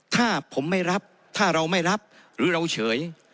ถ้าผมไม่รับถ้าเราไม่รับหรือเราเฉย